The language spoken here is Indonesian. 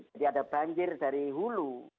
jadi ada banjir dari hulu